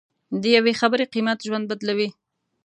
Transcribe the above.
د یوې خبرې قیمت ژوند بدلوي.